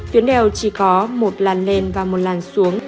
phía đèo chỉ có một làn lên và một làn xuống